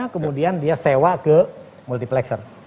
kemudian dia sewa ke multiplexer